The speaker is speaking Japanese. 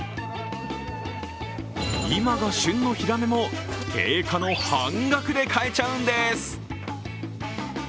今が旬のヒラメも定価の半額で買えちゃうんです。